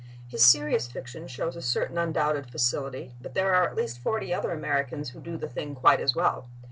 His serious fiction shows a certain undoubted facility, but there are at least forty other Americans who do the thing quite as well.